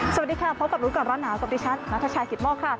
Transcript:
สวัสดีค่ะพบกับรู้ก่อนร้อนหนาวกับดิฉันนัทชายกิตโมกค่ะ